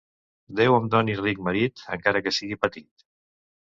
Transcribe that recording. Déu em doni ric marit, encara que sigui petit.